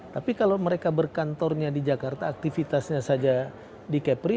tapi kalau mereka berkantornya di jakarta aktivitasnya saja di kepri